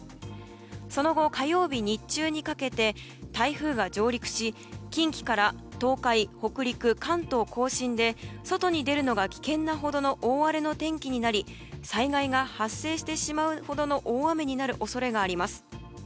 その後、火曜日日中にかけて台風が上陸し近畿から東海北陸、関東・甲信で外に出るのが危険なほどの大荒れの天気になり災害が発生してしまうほどの大雨になる恐れがあります。